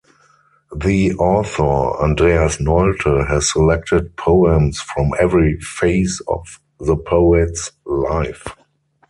The author, Andreas Nolte, has selected poems from every phase of the poet's life.